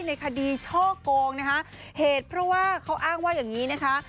ในคดีช่อกงนะคะเหตุเพราะว่าเขาอ้างว่าอย่างนี้นะคะ